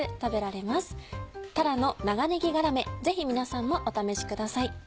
ぜひ皆さんもお試しください。